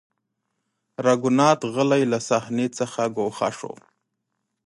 راګونات غلی له صحنې څخه ګوښه شو.